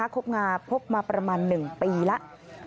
คบงาพบมาประมาณ๑ปีแล้ว